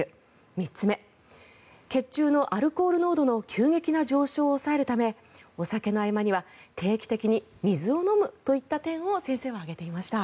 ３つ目、血中のアルコール濃度の急激な上昇を抑えるためお酒の合間には定期的に水を飲むといった点を先生は挙げていました。